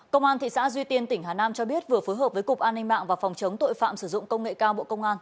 công an thị xã duy tiên tỉnh hà nam cho biết vừa phối hợp với cục an ninh mạng và phòng chống tội phạm sử dụng công nghệ cao bộ công an